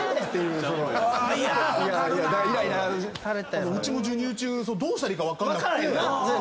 うちも授乳中どうしたらいいか分かんなくて。